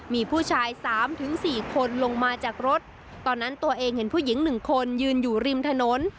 มีผู้ชาย๓๔คนลงมาจากรถตอนนั้นตัวเองเห็นผู้หญิง๑คนยืนอยู่ริมถนน